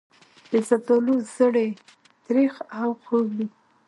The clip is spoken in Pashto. د زردالو زړې تریخ او خوږ وي.